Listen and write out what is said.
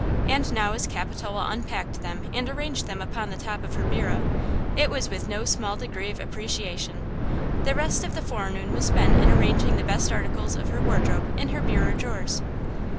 And now as Capitola unpacked them and arranged them upon the top of her bureau, it was with no small degree of appreciation. The rest of the forenoon was spent in arranging the best articles of her wardrobe in her bureau drawers.